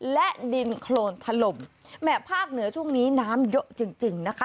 และดินโครนถล่มแหม่ภาคเหนือช่วงนี้น้ำเยอะจริงจริงนะคะ